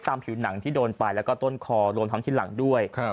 ตามผิวหนังที่โดนไปและต้นคอที่โดนไปท้านหลังด้วย